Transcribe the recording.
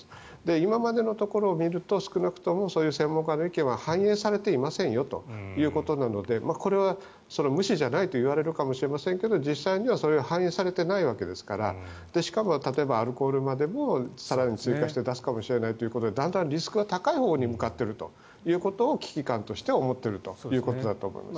今までのところを見ると少なくともそういう専門家の意見は反映されていませんよということなのでこれは無視じゃないといわれるかもしれませんが実際にはそれが反映されていないわけですからしかもアルコールまでも追加して出すかもしれないということでだんだんリスクが高いほうに向かっているということを危機感として思っているということだと思います。